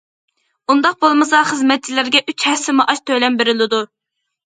ئۇنداق بولمىسا خىزمەتچىلەرگە ئۈچ ھەسسە مائاش تۆلەم بېرىلىدۇ.